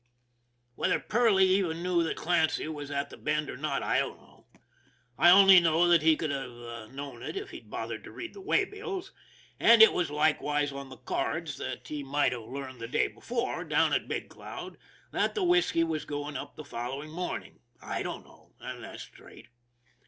Whether Perley even knew that Clancy was at the Bend or not, I don't know. I only know that he could have known it if he'd bothered to read the waybills ; and it was likewise on the cards that he might have learned the day before, down at Big Cloud, that the whisky was going up the following morning. I don't know, and that's straight.